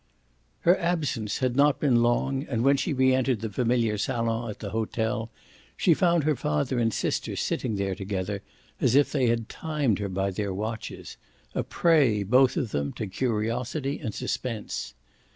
XII Her absence had not been long and when she re entered the familiar salon at the hotel she found her father and sister sitting there together as if they had timed her by their watches, a prey, both of them, to curiosity and suspense.